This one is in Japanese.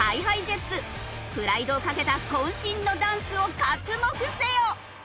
プライドをかけた渾身のダンスを刮目せよ！